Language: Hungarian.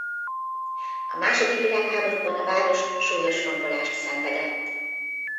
A második világháborúban a város súlyos rombolást szenvedett.